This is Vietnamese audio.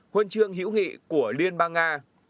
huân trường hữu nghị của liên bang nga